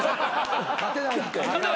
勝てないって。